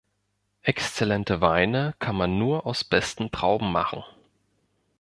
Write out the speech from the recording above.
Exzellente Weine kann man nur aus besten Trauben machen.